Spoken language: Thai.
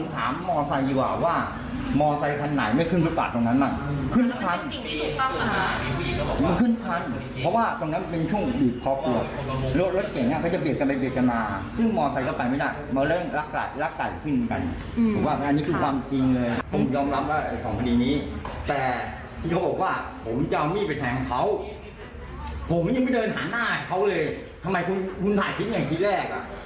ทำไมคุณหาคิดอย่างที่แรกทำไมคุณไม่หาคิดอย่างที่แรก